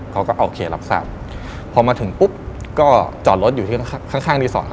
เขาก็โอเครับทราบพอมาถึงปุ๊บก็จอดรถอยู่ที่ข้างรีสอร์ท